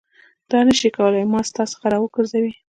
دا نه شي کولای ما ستا څخه راوګرځوي.